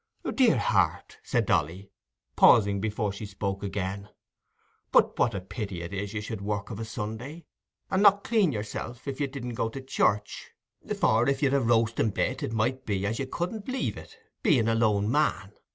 "Dear heart!" said Dolly, pausing before she spoke again. "But what a pity it is you should work of a Sunday, and not clean yourself—if you didn't go to church; for if you'd a roasting bit, it might be as you couldn't leave it, being a lone man.